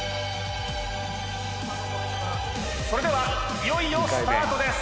それではいよいよスタートです